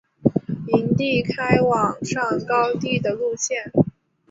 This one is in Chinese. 营运开往上高地的路线。